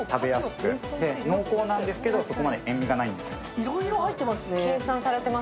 いろいろ入っていますね。